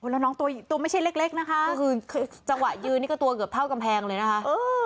แล้วน้องตัวไม่ใช่เล็กนะคะก็คือจังหวะยืนนี่ก็ตัวเกือบเท่ากำแพงเลยนะคะ